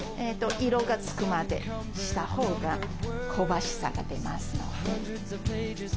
色が付くまでしたほうが香ばしさが出ます。